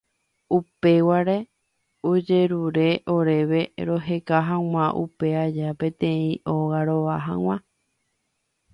Upévare ojerure oréve roheka hag̃ua upe aja peteĩ óga rova hag̃ua.